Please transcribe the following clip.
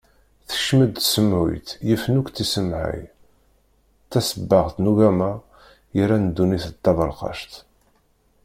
Tekcem-d tsemhuyt yifen akk tisemhay, tasebbaɣt n ugama yerran ddunit d taberqact.